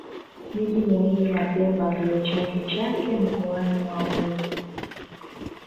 Miji muhimu ya Pemba ndiyo Chake Chake Mkoani na Wete